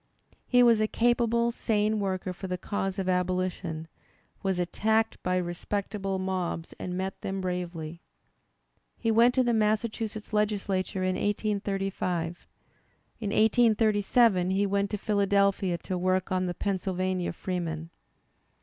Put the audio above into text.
He was a capable, sane worker for the cause of Abolition, was attacked by respectable mobs and met them bravely. He went to the Massachusetts Legislature in 1835. In 1837 he went to Philadelphia to work on The Pennsylvania Freeman.